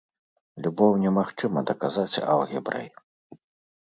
Любоў немагчыма даказаць алгебрай.